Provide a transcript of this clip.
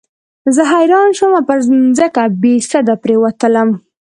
زه حیران شوم او پر مځکه بېسده پرېوتلم.